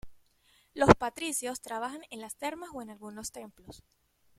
Los patricios trabajan en las termas o en algunos templos.